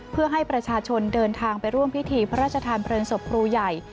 เพื่อให้ประชาชนเดินทางไปร่วมพิธีพระราชทานเพลิงศพครูใหญ่